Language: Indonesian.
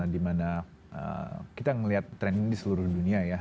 dimana kita melihat tren ini di seluruh dunia ya